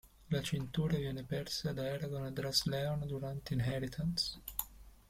La cintura viene persa da Eragon a Dras-Leona durante Inheritance.